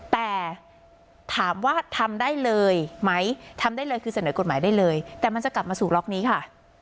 แต่ถามว่าทำได้เลยไหมทำได้เลยคือเสนอกฎหมายได้เลยแต่มันจะกลับมาสู่ล็อกนี้ค่ะ